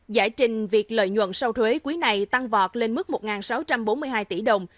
dịch lợi nhuận sau thuế quý này tăng vọt lên mức một sáu trăm bốn mươi hai tỷ đồng